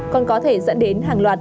còn có thể dẫn đến hàng loạt